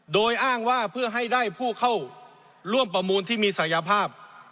โดยอ้างว่าเพื่อให้ได้ผู้เข้าร่วมประมูลที่มีศักยภาพ